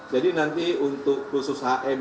jadi nanti untuk khusus hm